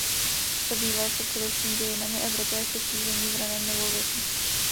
Zabýval se především dějinami Evropy a Českých zemí v raném novověku.